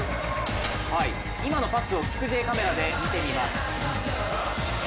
今のパスをキクＪＣＡＭで見てみます。